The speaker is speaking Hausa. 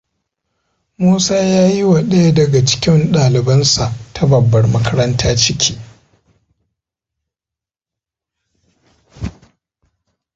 Musa ya yi wa ɗaya daga cikin ɗalibansa ta babbar makaranta ciki.